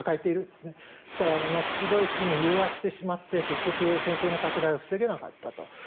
ですから、ナチス・ドイツに融和してしまって結局戦争の拡大を防げなかったと。